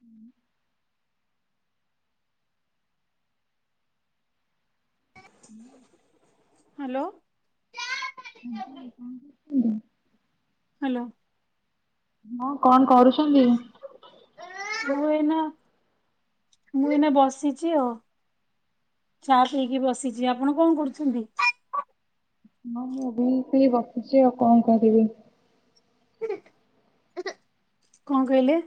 ହୁଁ। ହୁଁ। ହାଲୋ। ଆଜ୍ଞା କଣ କରୁଥିଲେ? ହାଲୋ। ହଁ କଣ କରୁଛନ୍ତି? ମୁଁ ଏଇନା ମୁଁ ଏଇନା ବସିଛି ଆଉ ଚା ପିଇକି ବସିଚି ଆପଣ କଣ କରୁଛନ୍ତି? ହଁ ମୁଁ ବି ପି ବସିଛି ଆଉ କଣ କରିବି। [unintelligible] କଣ କହିଲେ?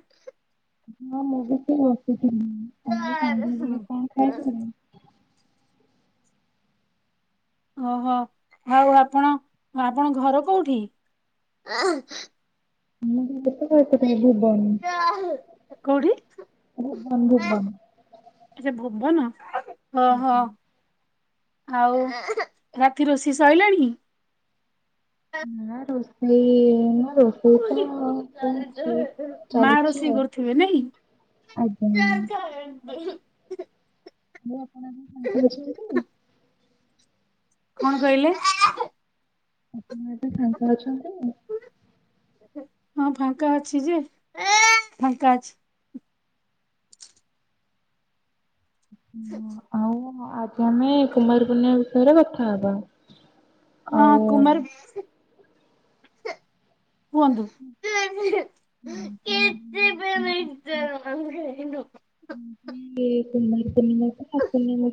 ହଁ ମୁଁ ବି ସେଇ ବସିଥିଲି, ଆଜି ସନ୍ଧ୍ୟାବେଳେ କଣ ଖାଇଥିଲେ? ଓହୋ ଆଉ ଆପଣ ଆପଣ ଘର କୋଉଠି? [unintelligible] ଭୁବନ କୋଉଠି ଭୁବନ ଭୁବନ। ଆଚ୍ଛା ଭୁବନ ଅହୋ। ଆଉ ରାତି ରୋଷେଇ ସଇଲାଣି? ନା ରୋଷେଇ ନା ରୋଷେଇ ତ ହଉଛି। [unintelligible] ମାଁ ଚାଲିଛି ରୋଷେଇ ଆଉ। କରୁଥିବେ ନାଇଁ? ଆଜ୍ଞା। [unintelligible] ମୁଁ ଆପଣ [unintelligible] କଣ କହିଲେ? ଆପଣ ଏବେ ଫାଙ୍କା ଅଛନ୍ତି? ହଁ ଫାଙ୍କା ଅଛି ଯେ, ଫାଙ୍କା ଅଛି। ଆଉ ଆଜି ଆମେ କୁମାର ପୂର୍ଣ୍ଣିମା ବିଷୟରେ କଥା ହବା। ହଁ ଆଉ କୁମାର କୁହନ୍ତୁ କୁମାର ପୂର୍ଣ୍ଣିମା [unintelligible] ଏ କୁମାରପୂର୍ଣ୍ଣିମା କଥା ପୂର୍ଣ୍ଣିମା